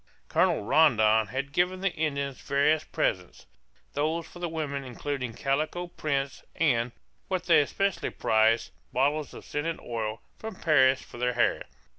Colonel Rondon had given the Indians various presents, those for the women including calico prints, and, what they especially prized, bottles of scented oil, from Paris, for their hair.